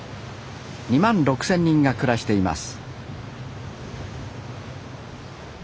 ２万６，０００人が暮らしています